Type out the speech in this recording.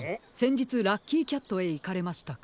じつラッキーキャットへいかれましたか？